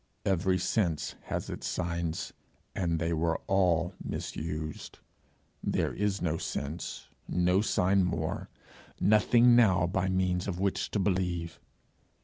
Every sense has its signs, and they were all misused: there is no sense, no sign more nothing now by means of which to believe.